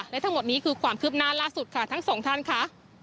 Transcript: และทั้งหมดนี้คือความคืบหน้าล่าสุดค่ะทั้งสองท่านค่ะ